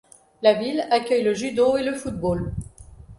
La ville accueille le judo et le football.